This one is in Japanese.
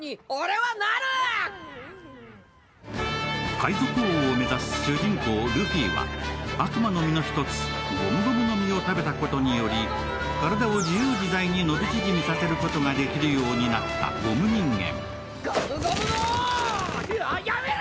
海賊王を目指す主人公・ルフィは悪魔の実の１つ、ゴムゴムの実を食べたことにより体を自由自在に伸び縮みさせることができるようになったゴム人間。